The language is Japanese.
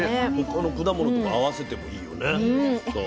他の果物とか合わせてもいいよねきっと。